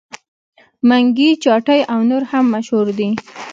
منګي چاټۍ او نور هم مشهور دي.